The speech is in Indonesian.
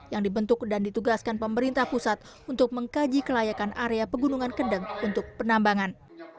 yang dibentuk dan ditugaskan pemerintah pusat untuk mengkaji kelayakan area pegunungan kendeng untuk penambangan